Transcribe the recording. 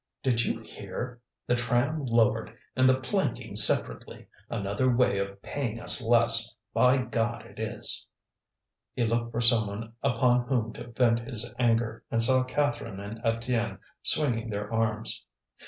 Did you hear? The tram lowered, and the planking separately! Another way of paying us less. By God it is!" He looked for someone upon whom to vent his anger, and saw Catherine and Étienne swinging their arms.